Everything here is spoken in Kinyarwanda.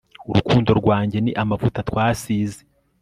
urukundo rwanjye ni amavuta twasize